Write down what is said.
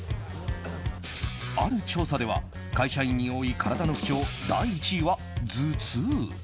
ある調査では、会社員に多い体の不調第１位は頭痛。